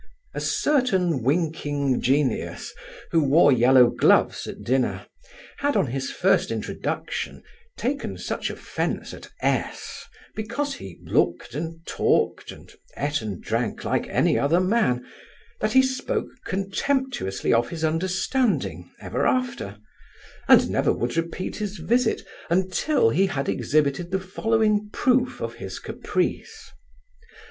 A certain winking genius, who wore yellow gloves at dinner, had, on his first introduction, taken such offence at S , because he looked and talked, and ate and drank like any other man, that he spoke contemptuously of his understanding ever after, and never would repeat his visit, until he had exhibited the following proof of his caprice.